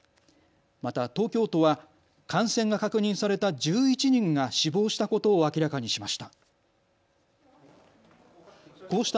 また東京都は感染が確認された１１人が死亡したことを明らかにしました。